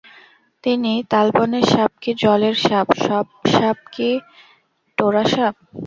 কিন্তু তালবনের সাপ কি জলের সাপ, সব সাপ কি টোড়া সাপ?